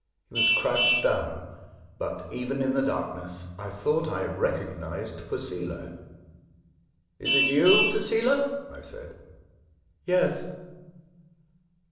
He was crouched down ; but, even in the darkness, I thought I recog nised Posela. *' Is it you, Posela ?" I said. " Yes.''